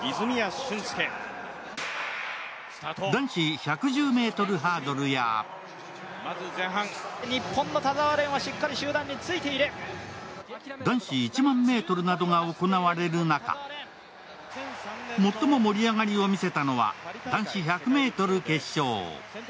男子１１０ｍハードルや男子１００００ｍなどが行われる中、最も盛り上がりを見せたのは、男子１００ｍ決勝。